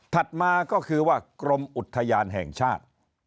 มาก็คือว่ากรมอุทยานแห่งชาติ